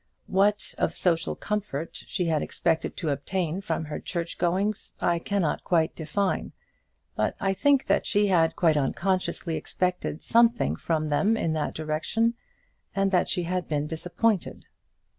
What of social comfort she had expected to obtain from her churchgoings I cannot quite define; but I think that she had unconsciously expected something from them in that direction, and that she had been disappointed.